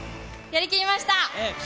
やりきりました。